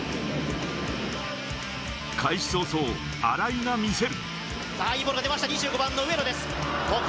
開始早々荒井が見せる。